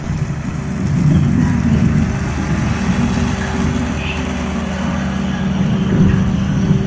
节节麦为禾本科山羊草属下的一个种。